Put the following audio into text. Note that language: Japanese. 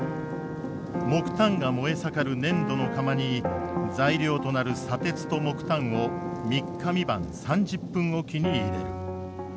木炭が燃え盛る粘土の釜に材料となる砂鉄と木炭を３日３晩３０分置きに入れる。